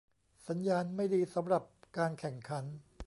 สัญญาณไม่ดีสำหรับการแข่งขัน